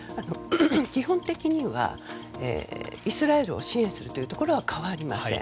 基本的にはイスラエルを支援するところは変わりません。